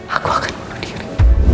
aku akan bunuh diri